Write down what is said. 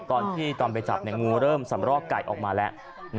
ตอนที่ตอนไปจับงูเริ่มสำรอกไก่ออกมาแล้ว